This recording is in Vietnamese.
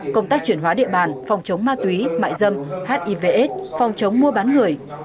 công tác chuyển hóa địa bàn phòng chống ma túy mại dâm hivs phòng chống mua bán người